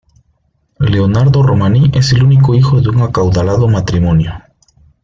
Leonardo Romaní es el único hijo de un acaudalado matrimonio.